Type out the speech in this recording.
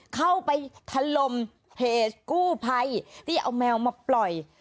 เข้าไปทะลมเพจกู้ภัยที่เอาแมวมาปล่อย